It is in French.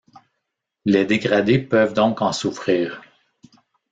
Les dégradés peuvent donc en souffrir.